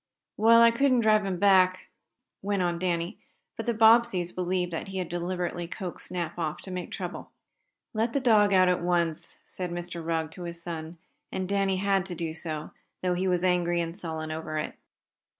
"Well, I couldn't drive him back," went on Danny, but the Bobbseys believed that he had deliberately coaxed Snap off to make trouble. "Let the dog out at once," said Mr. Rugg to his son, and Danny had to do so, though he was angry and sullen over it.